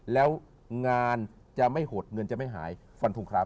แล้วงานจะไม่หดเงินจะไม่หายฟันทงครับ